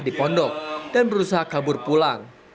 di pondok dan berusaha kabur pulang